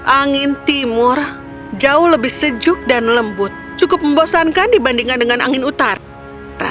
angin timur jauh lebih sejuk dan lembut cukup membosankan dibandingkan dengan angin utara